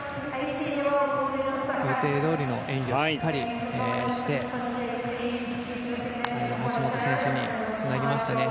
予定どおりの演技をしっかりして最後橋本選手につなぎましたね。